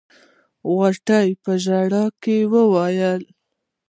غوټۍ په ژړا کې وويل.